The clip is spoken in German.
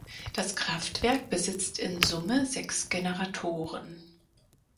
Das Kraftwerk besitzt in Summe sechs Generatoren.